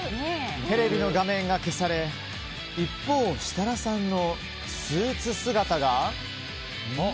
テレビの画面が消され一方、設楽さんのスーツ姿が。